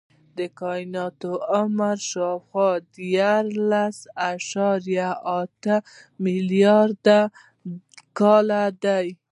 د کائنات عمر شاوخوا دیارلس اعشاریه اته ملیارده کاله دی.